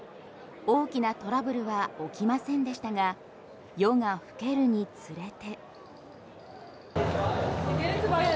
大きなトラブルは起きませんでしたが夜が更けるにつれて。